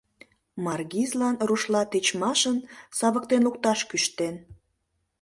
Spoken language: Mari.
Маргизлан рушла тичмашын савыктен лукташ кӱштен.